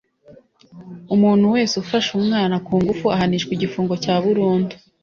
umuntu wese ufashe umwana kungufu ahanishwa igifungo cya burundu